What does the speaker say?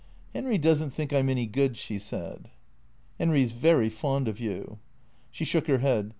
" Henry does n't think I 'm any good," she said. " Henry's very fond of you." She shook her head.